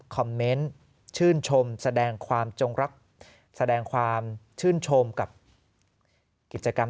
คอมเมนต์ชื่นชมแสดงความจงรักแสดงความชื่นชมกับกิจกรรม